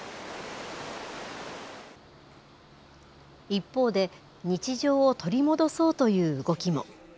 一方で、日常を取り戻そうという動きも。